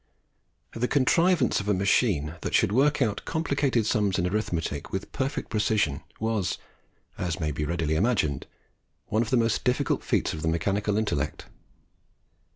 The contrivance of a machine that should work out complicated sums in arithmetic with perfect precision, was, as may readily be imagined, one of the most difficult feats of the mechanical intellect.